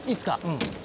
うん。